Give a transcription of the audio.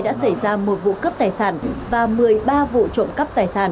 đã xảy ra một vụ cướp tài sản và một mươi ba vụ trộm cắp tài sản